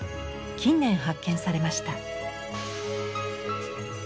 近年発見されました。